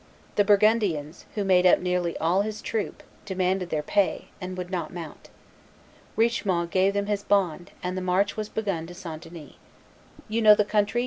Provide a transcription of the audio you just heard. The Burgundians, who made up nearly all his troop, demanded their pay, and would not mount. Richemont gave them his bond; and the march was begun to St. Denis. "You know the country?"